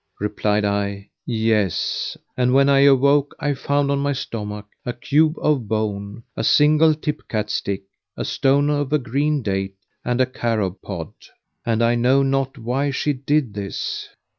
Replied I, "Yes; and when I awoke, I found on my stomach a cube of bone, a single tip cat stick, a stone of a green date and a carob pod, and I know not why she did this."